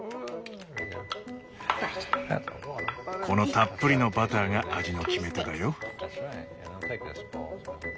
このたっぷりのバターが味の決め手だよ。